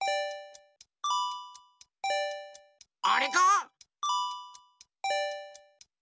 あれか？